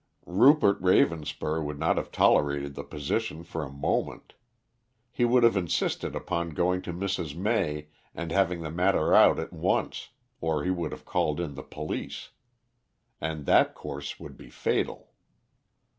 Rupert Ravenspur would not have tolerated the position for a moment. He would have insisted upon going to Mrs. May and having the matter out at once, or he would have called in the police. And that course would be fatal.